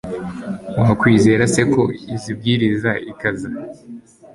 wakwizera se ko izibwiriza ikaza